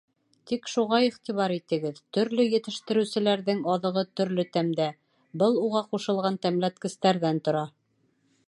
Тик шуға иғтибар итегеҙ: төрлө етештереүселәрҙең аҙығы төрлө тәмдә, был уға ҡушылған тәмләткестәрҙән тора.